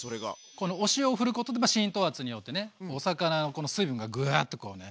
このお塩をふることで浸透圧によってねお魚のこの水分がぐっとこうね。